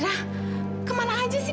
tahu ada apaan sih